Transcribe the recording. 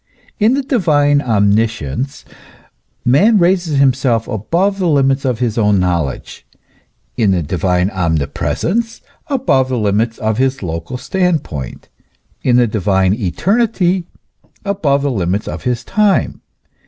In the divine omniscience man raises him self above the limits of his own knowledge;* in the divine omnipresence, above the limits of his local stand point; in the divine eternity, above the limits of his time.